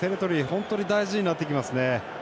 本当に大事になってきますね。